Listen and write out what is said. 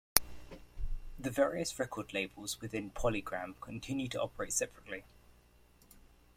The various record labels within PolyGram continued to operate separately.